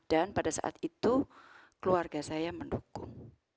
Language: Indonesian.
dan pada saat itu keluarga saya mendukung